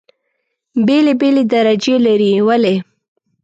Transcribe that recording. بېلې بېلې درجې لري. ولې؟